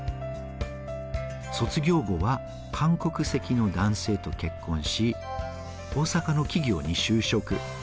卒業後は韓国籍の男性と結婚し、大阪の企業に就職。